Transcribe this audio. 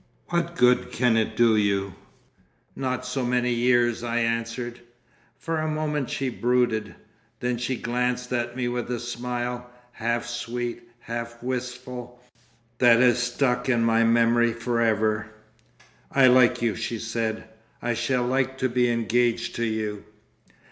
What good can it do you?" "Not so many years." I answered. For a moment she brooded. Then she glanced at me with a smile, half sweet, half wistful, that has stuck in my memory for ever. "I like you!" she said. "I shall like to be engaged to you."